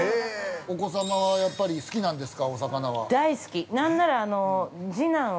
お子様は、やっぱり好きなんですか、お魚は。